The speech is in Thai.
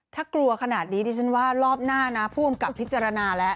ถ้ากลัวขนาดนี้ดิฉันว่ารอบหน้านะผู้กำกับพิจารณาแล้ว